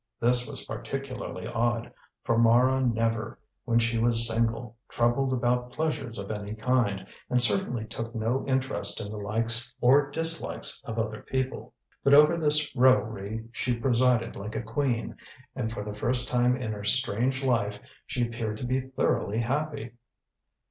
This was particularly odd, for Mara never, when she was single, troubled about pleasures of any kind, and certainly took no interest in the likes or dislikes of other people. But over this revelry she presided like a queen, and for the first time in her strange life she appeared to be thoroughly happy.